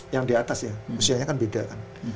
yang di atas ya usianya kan beda kan